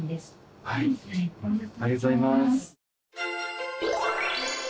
ありがとうございます。